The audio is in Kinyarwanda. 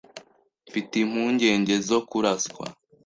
Mfite impungenge zo kuraswa.